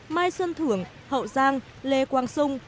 mai xuân thưởng hậu giang lê quang sung